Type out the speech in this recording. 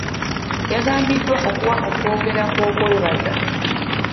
Yagambiddwa okuwa okwogera kw'okwebaza.